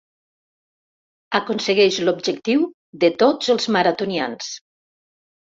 Aconsegueix l'objectiu de tots els maratonians.